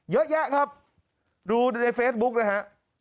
เยอะแยะครับดูในเฟซบุ๊กนะฮะ